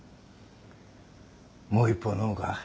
もう１本飲むか？